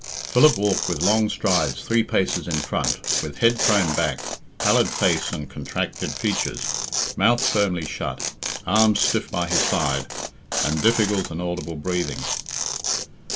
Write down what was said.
Philip walked with long strides three paces in front, with head thrown back, pallid face and contracted features, mouth firmly shut, arms stiff by his side, and difficult and audible breathing.